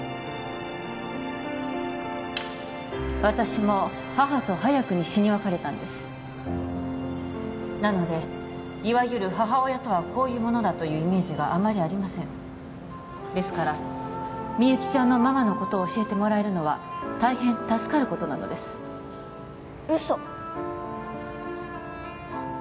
私も母と早くに死に別れたんですなのでいわゆる「母親とはこういうものだ」というイメージがあまりありませんですからみゆきちゃんのママのことを教えてもらえるのは大変助かることなのですウソ